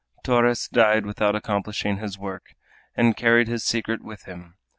Torres died without accomplishing his work, and carried his secret with him.